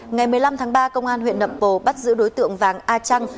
ngày một mươi năm tháng ba công an huyện nậm bồ bắt giữ đối tượng vàng a trăng